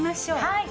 はい。